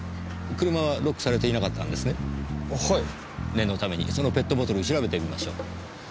念のためにそのペットボトル調べてみましょう。